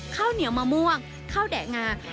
ข้าวเหนียวมะม่วงข้าวแดะงา